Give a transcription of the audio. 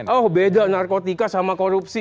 oh beda narkotika sama korupsi